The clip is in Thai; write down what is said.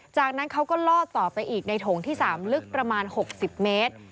จากนั้นเขาก็ลอดต่อไปอีกในถงที่๓ลึกประมาณ๖๐เมตร